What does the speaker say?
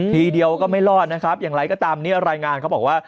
ทีเดียวก็ไม่รอดนะครับอย่างไรก็ตามเนี่ยรายงานเขาบอกว่า